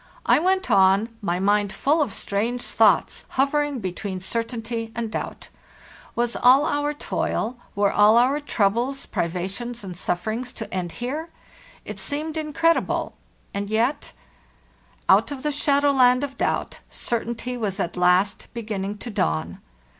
I went on, my mind full of strange thoughts, hovering between certainty and doubt. Was all our toil, were all our troubles, privations, and sufferings to end here? It seemed incredible, and yet— Out of the shadow land of doubt, certainty was at last beginning to dawn.